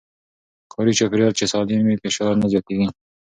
کاري چاپېريال چې سالم وي، فشار نه زياتېږي.